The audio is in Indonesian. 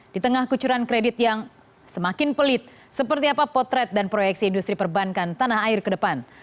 di tengah kucuran kredit yang semakin pelit seperti apa potret dan proyeksi industri perbankan tanah air ke depan